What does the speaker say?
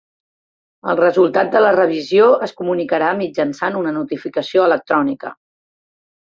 El resultat de la revisió es comunicarà mitjançant una notificació electrònica.